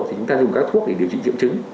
thì chúng ta dùng các thuốc để điều trị triệu chứng